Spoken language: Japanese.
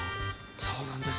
そうなんです。